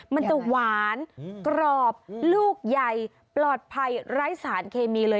มันจะหวานกรอบลูกใหญ่ปลอดภัยไร้สารเคมีเลย